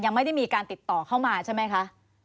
ยังไม่ได้มีการติดต่อเข้ามาใช่ไหมคะ